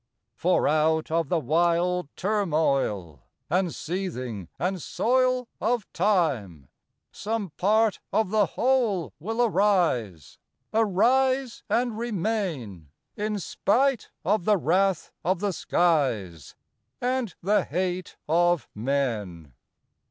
For out of the wild turmoil And seething and soil Of Time, some part of the whole will arise, Arise and remain, In spite of the wrath of the skies And the hate of men.